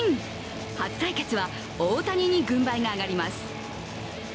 初対決は大谷に軍配が上がります。